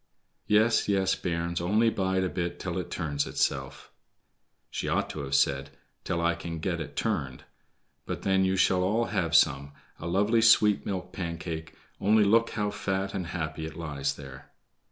"Yes, yes, bairns, only bide a bit till it turns itself"—she ought to have said, "till I can get it turned"—"and then you shall all have some—a lovely sweet milk Pancake; only look how fat and happy it lies there."